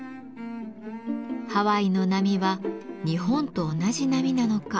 ハワイの波は日本と同じ波なのか。